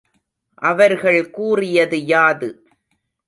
அவர்கள் கூறியது யாது?